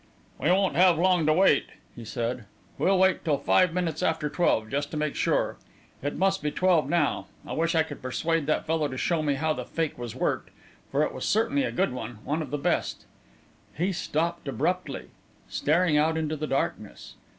"We won't have long to wait," he said. "We'll wait till five minutes after twelve, just to make sure. It must be twelve now. I wish I could persuade that fellow to show me how the fake was worked, for it was certainly a good one one of the best...." He stopped abruptly, staring out into the darkness.